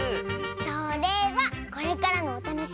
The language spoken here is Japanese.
それはこれからのおたのしみ！